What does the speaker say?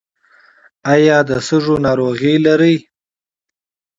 ایا د سږو ناروغي لرئ؟